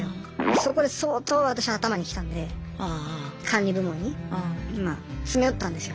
そこで相当私頭にきたんで管理部門にまあ詰め寄ったんですよ。